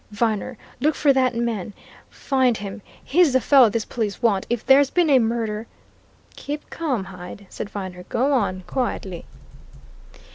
Viner, look for that man! Find him! He's the fellow these police want! If there's been murder " "Keep calm, Hyde!" said Viner. "Go on, quietly."